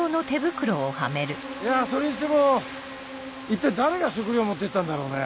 いやそれにしても一体誰が食料を持って行ったんだろうね。